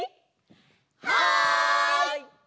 はい！